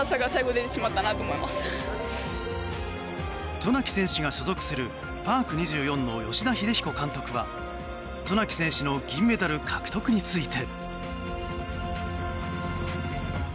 渡名喜選手が所属するパーク２４の吉田秀彦監督は渡名喜選手の銀メダル獲得について。